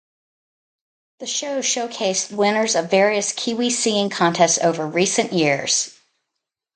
The show showcased winners of various Kiwi singing contests over recent years.